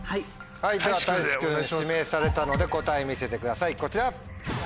たいし君指名されたので答え見せてくださいこちら！